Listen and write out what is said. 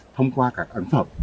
thông qua các ấn phẩm